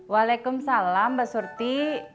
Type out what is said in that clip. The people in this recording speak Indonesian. wa'alaikum salam mba surti